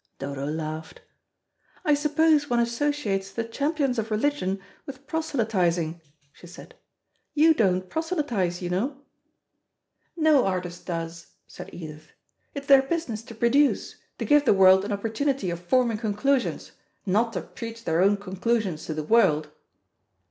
Dodo laughed. "I suppose one associates the champions of religion with proselytising," she said. "You don't proselytise, you know." "No artist does," said Edith; "it's their business to produce to give the world an opportunity of forming conclusions, not to preach their own conclusions to the world."